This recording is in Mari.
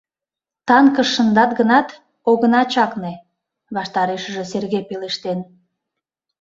— Танкыш шындат гынат, огына чакне, — ваштарешыже Серге пелештен.